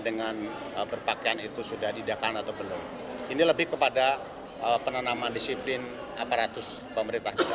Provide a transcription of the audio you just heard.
dengan berpakaian itu sudah didakan atau belum ini lebih kepada penenaman disiplin aparatus pemerintah di dalam